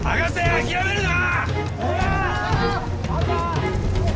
諦めるな！